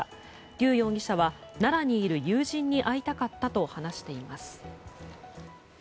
リュウ容疑者は奈良にいる友人に会いたかったと話しています。